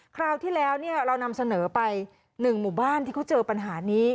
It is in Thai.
คราวที่แล้วเรานำเสนอไป๑หมู่บ้านที่เขาเจอปัญหานี้